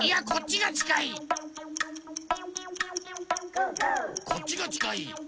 「こっちがちかい！」